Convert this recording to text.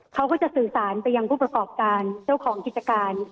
เขาก็จะสื่อสารไปยังผู้ประกอบการเจ้าของกิจการ